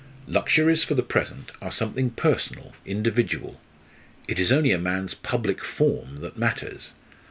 Luxuries, for the present, are something personal, individual. It is only a man's 'public form' that matters.